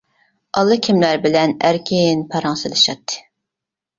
ئاللا كىملەر بىلەن ئەركىن پاراڭ سېلىشاتتى.